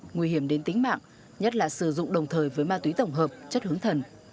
nguy hiểm đến tính mạng nhất là sử dụng đồng thời với ma túy tổng hợp chất hướng thần